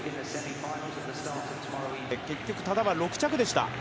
結局、多田は６着でした。